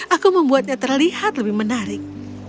aku membuatnya terlihat lebih menarik